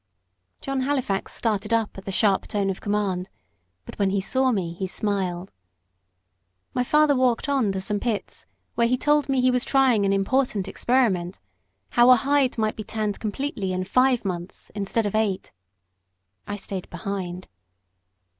John Halifax started up at the sharp tone of command; but when he saw me he smiled. My father walked on to some pits where he told me he was trying an important experiment, how a hide might be tanned completely in five months instead of eight. I stayed behind.